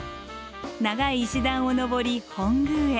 長い石段を上り本宮へ。